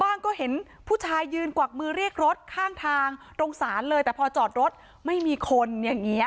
ว่างก็เห็นผู้ชายยืนกวักมือเรียกรถข้างทางตรงศาลเลยแต่พอจอดรถไม่มีคนอย่างเงี้